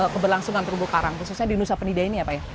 keberlangsungan terumbu karang khususnya di nusa penida ini ya pak ya